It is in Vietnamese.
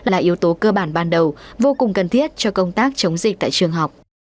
là yếu tố cơ bản ban đầu vô cùng cần thiết cho công tác chống dịch tại trường học